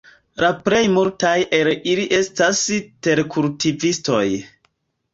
La plej multaj el ili estas terkultivistoj.